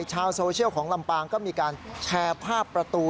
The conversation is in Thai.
ชาวโซเชียลของลำปางก็มีการแชร์ภาพประตู